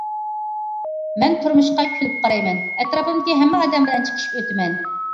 مەن تۇرمۇشقا كۈلۈپ قارايمەن، ئەتراپىمدىكى ھەممە ئادەم بىلەن چىقىشىپ ئۆتىمەن.